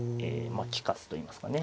まあ利かすといいますかね。